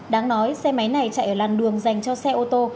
đáng nói xe máy này chạy ở làn đường dành cho xe ô tô